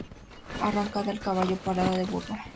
Arrancada de caballo, parada de burro